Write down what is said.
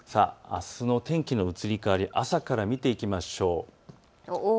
あすの天気の移り変わり朝から見ていきましょう。